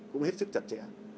cũng hết sức chặt chẽ